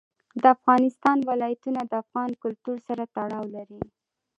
د افغانستان ولايتونه د افغان کلتور سره تړاو لري.